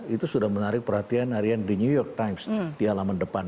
itu sudah menarik perhatian harian di new york times di halaman depan